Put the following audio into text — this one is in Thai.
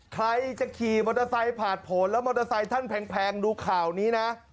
ใครจะขี่มอเตอร์ไซค์ผ่านผลแล้วมอเตอร์ไซค์ท่านแพงดูข่าวนี้นะ